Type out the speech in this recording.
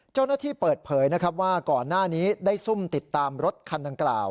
เจ้าหน้าที่เปิดเผยนะครับว่าก่อนหน้านี้ได้ซุ่มติดตามรถคันดังกล่าว